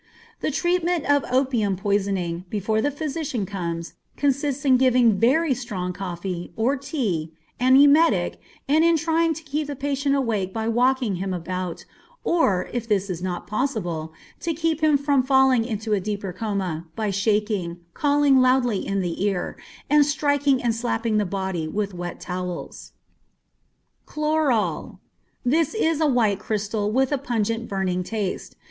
The treatment of opium poisoning, before the physician comes, consists in giving very strong coffee, or tea, an emetic, and in trying to keep the patient awake by walking him about, or, if this is not possible, to keep him from falling into deeper coma, by shaking, calling loudly in the ear, and striking and slapping the body with wet towels. Chloral. This is a white crystal, with a pungent, burning taste.